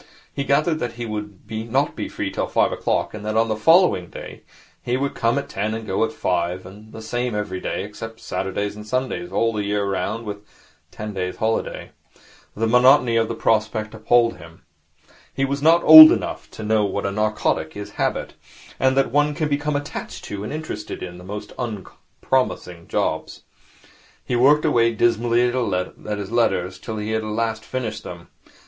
He gathered that he would not be free till five o'clock, and that on the following day he would come at ten and go at five, and the same every day, except Saturdays and Sundays, all the year round, with a ten days' holiday. The monotony of the prospect appalled him. He was not old enough to know what a narcotic is Habit, and that one can become attached to and interested in the most unpromising jobs. He worked away dismally at his letters till he had finished them.